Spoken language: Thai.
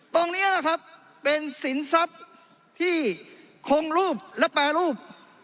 ตรงนี้แหละครับเป็นสินทรัพย์ที่คงรูปและแปรรูป